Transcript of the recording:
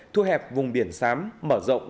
thu hẹp vùng biển sám mở rộng